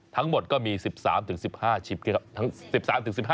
ทั้งหมดก็มี๑๓๑๕ชีวิตครับ